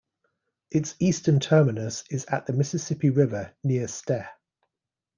Its eastern terminus is at the Mississippi River near Ste.